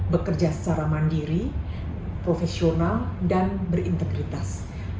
bekerja secara mandiri profesional dan berintegritas